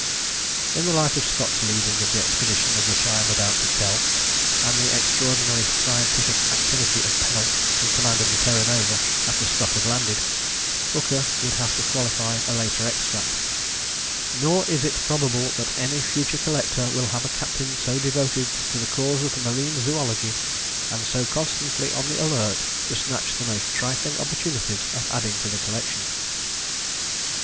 In the light of Scott's leading of the expedition of which I am about to tell, and the extraordinary scientific activity of Pennell in command of the Terra Nova after Scott was landed, Hooker would have to qualify a later extract, "nor is it probable that any future collector will have a Captain so devoted to the cause of Marine Zoology, and so constantly on the alert to snatch the most trifling opportunities of adding to the collection...."